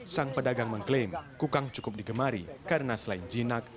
sang pedagang mengklaim kukang cukup digemari karena selain jinak